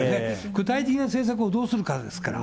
具体的な政策をどうするかですから。